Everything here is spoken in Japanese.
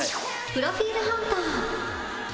プロフィールハンター